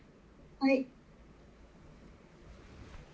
はい。